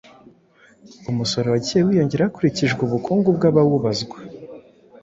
Umusoro wagiye wiyongera udakurikijwe ubukungu bw'abawubazwa.